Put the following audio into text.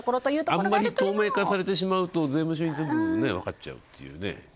あんまり透明化されてしまうと税務署に全部分かっちゃうっていうね。